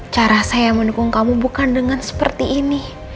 cara saya mendukung kamu bukan dengan seperti ini